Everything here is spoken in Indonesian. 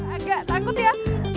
agak takut ya